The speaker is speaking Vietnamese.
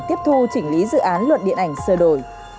tiếp thu chỉnh lý dự án luận điện ảnh sửa đổi